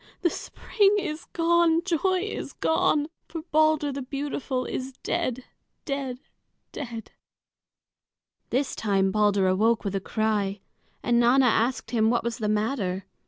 The spring is gone! Joy is gone! For Balder the beautiful is dead, dead, dead!" This time Balder awoke with a cry, and Nanna asked him what was the matter.